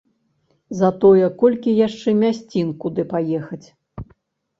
Затое колькі яшчэ мясцін, куды паехаць!